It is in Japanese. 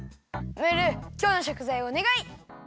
ムールきょうのしょくざいをおねがい！